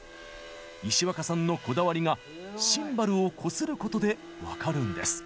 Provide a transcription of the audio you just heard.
石若さんのこだわりがシンバルをこすることで分かるんです。